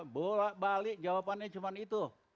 bolak balik jawabannya cuma itu